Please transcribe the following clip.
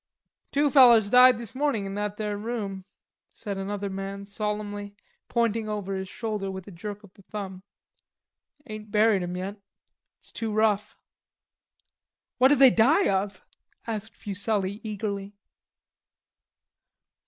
"Two fellers died this mornin' in that there room," said another man solemnly, pointing over his shoulder with a jerk of the thumb. "Ain't buried 'em yet. It's too rough." "What'd they die of?" asked Fuselli eagerly.